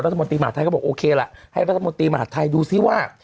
รัฐมนตรีมหาธัยก็บอกโอเคล่ะให้รัฐมนตรีมหาดไทยดูซิว่า